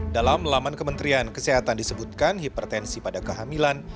dalam laman kementerian kesehatan disebutkan hipertensi pada kehamilan